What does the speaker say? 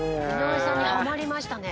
井上さんにはまりましたね。